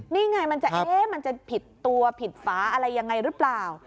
นี่ไงมันจะผิดตัวผิดฝาอะไรยังไงรึเปล่า